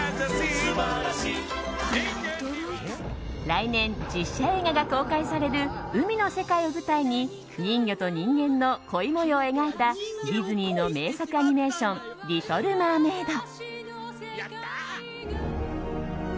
来年、実写映画が公開される海の世界を舞台に人魚と人間の恋模様を描いたディズニーの名作アニメーション「リトル・マーメイド」。